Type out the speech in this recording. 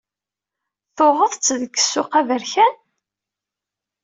Tuɣeḍ t deg ssuq aberkan?